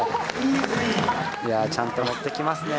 いやあちゃんと乗ってきますね。